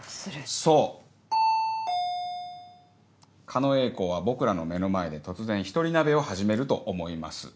狩野英孝は僕らの目の前で突然１人鍋を始めると思います。